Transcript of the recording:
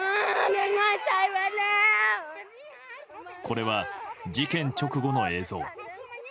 これは事件直後の映像。